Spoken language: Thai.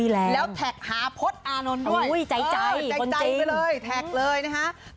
แล้วแท็กหาโพสต์อานนท์ด้วยแท็กเลยนะฮะใจบนจริง